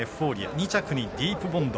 ２着にディープボンド。